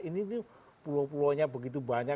ini tuh pulau pulau nya begitu banyak